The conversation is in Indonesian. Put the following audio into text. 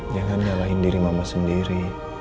jangan nyalahin diri mama sendiri